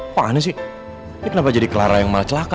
apaan sih ini kenapa jadi clara yang malah celaka